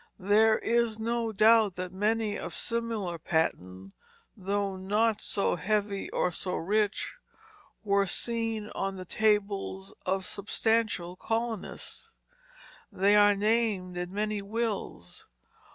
There is no doubt that many of similar pattern, though not so heavy or so rich, were seen on the tables of substantial colonists. They are named in many wills.